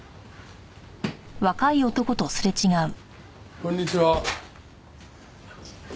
こんにちは。